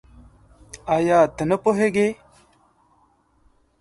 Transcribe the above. آيا ته نه پوهېږې؟